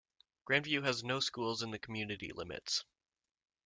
Grandview has no schools in the community limits.